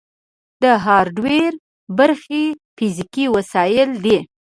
د هارډویر برخې فزیکي وسایل دي.